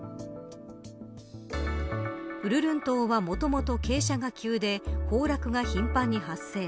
鬱陵島はもともと傾斜が急で崩落が頻繁に発生。